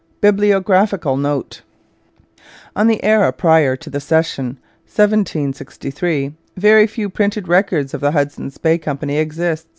BIBLIOGRAPHICAL NOTE On the era prior to the Cession (1763) very few printed records of the Hudson's Bay Company exist.